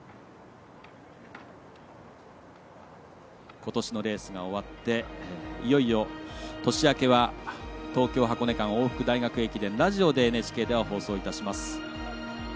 ことしのレースが終わっていよいよ、年明けは東京箱根間往復大学駅伝ラジオでＮＨＫは放送いたします。